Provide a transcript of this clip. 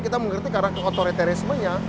kita mengerti karena kontoriterismenya